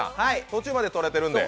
途中まで撮れてるんで。